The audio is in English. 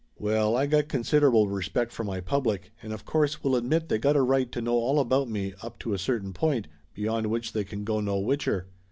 Well, I got considerable respect for my public, and of course will admit they got a right to know all about me up to a certain point, beyond which they can go no whicher.